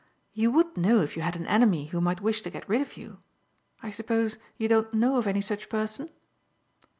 You would know if you had an enemy who might wish to get rid of you. I suppose you don't know of any such person?"